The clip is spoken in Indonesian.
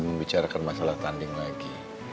membicarakan masalah tanding lagi